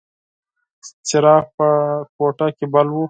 څراغ په کوټه کې بل و.